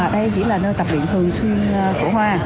đây chỉ là nơi tập luyện thường xuyên của hoa